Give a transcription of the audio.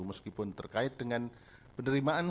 meskipun terkait dengan penerimaan